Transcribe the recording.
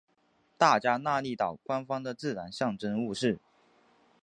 大加那利岛官方的自然象征物是。